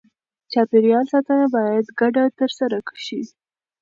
چاپېریال ساتنه باید ګډه ترسره شي.